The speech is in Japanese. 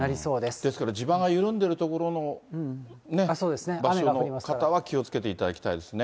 ですから、地盤が緩んでいる所のね、場所の方は気をつけていただきたいですね。